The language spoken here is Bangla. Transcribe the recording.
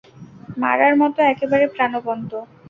মরার মত, একেবারে প্রাণবন্ত।